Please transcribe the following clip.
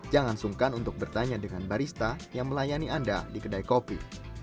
jangan sungkan untuk bertanya dengan barista yang melayani anda di kedai kopi